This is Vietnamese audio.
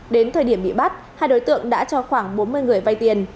đến thời điểm bị bắt hai đối tượng đã cho khoảng bốn mươi người vay tiền